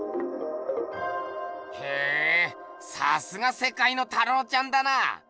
へぇさすがせかいの太郎ちゃんだな。